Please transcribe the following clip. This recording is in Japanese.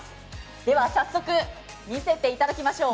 では早速見せていただきましょう。